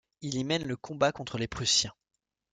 Il y mène le combat contre les Prussiens.